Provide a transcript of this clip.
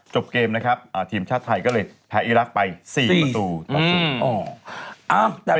จบเกมนะครับทีมชาติไทยก็เลยแพ้อีรักษ์ไป๔ประตูต่อ๐